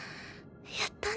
やったね。